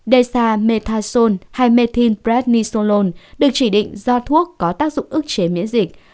desamethasone hay methylprednisolone được chỉ định do thuốc có tác dụng ức chế miễn dịch